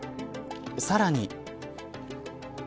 さらに。